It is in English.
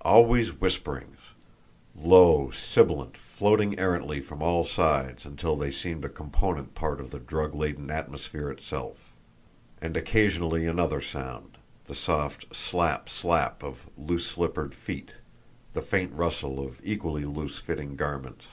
Always whisperings, low, sibilant, floating errantly from all sides, until they seemed a component part of the drug laden atmosphere itself. And occasionally another sound: the soft SLAP SLAP of loose slippered feet, the faint rustle of equally loose fitting garments.